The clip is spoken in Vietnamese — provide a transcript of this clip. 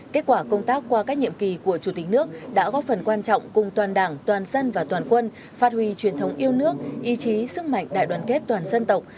kết quả công tác qua các nhiệm kỳ của chủ tịch nước đã góp phần quan trọng cùng toàn đảng toàn dân và toàn quân phát huy truyền thống yêu nước ý chí sức mạnh đại đoàn kết toàn dân tộc